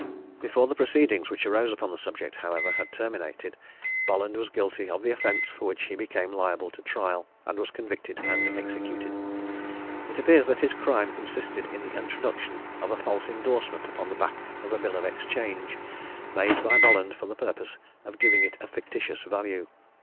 Before the proceedings which arose upon the subject, however, had terminated, Bolland was guilty of the offence for which he became liable to trial, and was convicted and executed. It appears that his crime consisted in the introduction of a false indorsement upon the back of a bill of exchange, made by Bolland for the purpose of giving it a fictitious value.